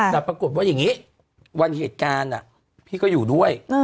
แต่ปรากฏว่าอย่างนี้วันเหตุการณ์พี่ก็อยู่ด้วย